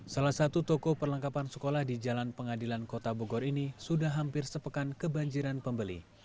salah satu toko perlengkapan sekolah di jalan pengadilan kota bogor ini sudah hampir sepekan kebanjiran pembeli